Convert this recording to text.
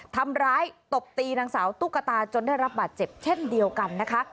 ทำร้ายตบตีนางสาวตุ๊กตาจนได้รับบาดเจ็บเช่นเดียวกันนะคะ